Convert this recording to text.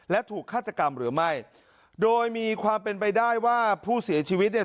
และถูกฆาตกรรมหรือไม่โดยมีความเป็นไปได้ว่าผู้เสียชีวิตเนี่ย